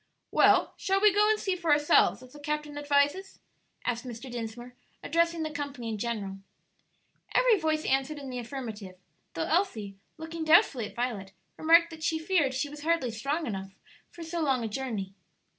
"Well, shall we go and see for ourselves, as the captain advises?" asked Mr. Dinsmore, addressing the company in general. Every voice answered in the affirmative, though Elsie, looking doubtfully at Violet, remarked that she feared she was hardly strong enough for so long a journey.